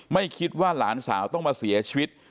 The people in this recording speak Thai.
ไม่คิดว่าหลานสาวต้องมาเสียชีวิต